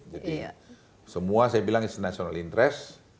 jadi semua saya bilang is a national interest